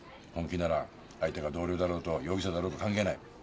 本気なら相手が同僚だろうと容疑者だろうが関係ない。